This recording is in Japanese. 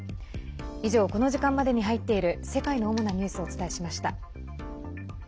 以上、この時間までに入っている世界の主なニュースをお伝えしました。